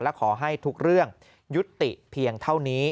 และขอให้ทุกเรื่องยุติเพียงเท่านี้